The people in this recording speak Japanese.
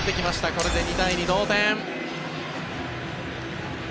これで２対２、同点。